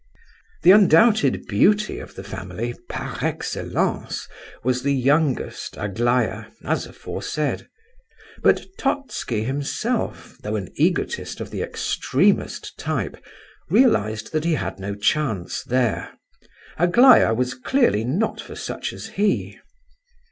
The undoubted beauty of the family, par excellence, was the youngest, Aglaya, as aforesaid. But Totski himself, though an egotist of the extremest type, realized that he had no chance there; Aglaya was clearly not for such as he.